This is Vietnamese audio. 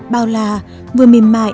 bao la vừa mềm mại